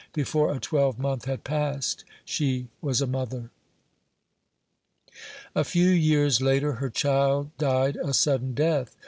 Before a twelvemonth had passed, she was a mother. A few years later her child died a sudden death.